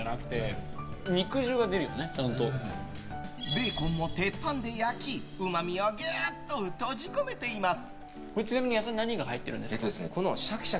ベーコンも鉄板で焼きうまみをギュッと閉じ込めています。